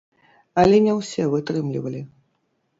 Але не ўсе вытрымлівалі.